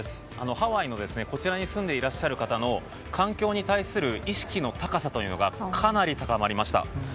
ハワイのこちらに住んでいらっしゃる方の環境に対する意識の高さがかなり高まりました。